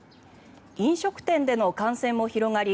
飲食店での感染も広がり